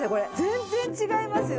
全然違いますよ。